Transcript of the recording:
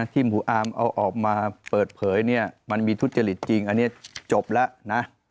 ที่หมู่อ้ามเอาออกมาเปิดเผยมันมีทุจริงจบละ